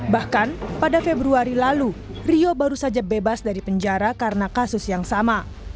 bahkan pada februari lalu rio baru saja bebas dari penjara karena kasus yang sama